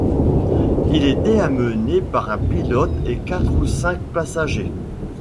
Il était aménagé pour un pilote et quatre ou cinq passagers.